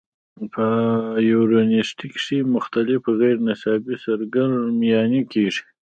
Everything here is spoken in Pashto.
پۀ يونيورسټۍ کښې مختلف غېر نصابي سرګرميانې کيږي